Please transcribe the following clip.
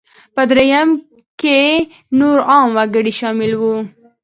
په درېیم کې نور عام وګړي شامل وو.